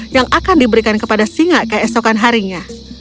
yang akan diberikan kepada singa keesokan harinya